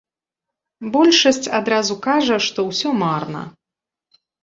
Большасць адразу кажа, што ўсё марна.